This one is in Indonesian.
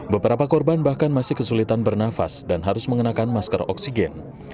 beberapa korban bahkan masih kesulitan bernafas dan harus mengenakan masker oksigen